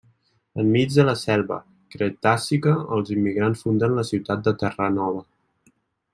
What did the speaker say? Enmig de la selva cretàcica, els immigrants funden la ciutat de Terra Nova.